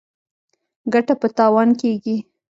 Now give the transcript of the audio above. ګټه په تاوان کیږي.